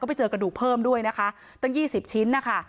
ไปเจอกระดูกเพิ่มด้วยนะคะตั้ง๒๐ชิ้นนะคะ